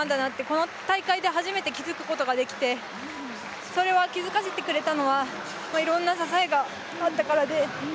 この大会で初めて気付くことができてそれは気づかせてくれたのはいろんな支えがあったからで。